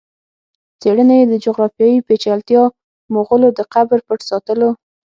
څېړني یې د جغرافیایي پېچلتیا، مغولو د قبر پټ ساتلو